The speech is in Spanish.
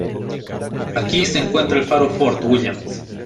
Aquí se encuentra el Faro Fort Williams.